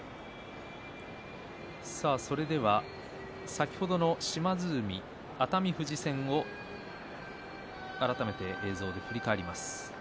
先ほどの島津海、熱海富士戦を改めて映像で振り返ります。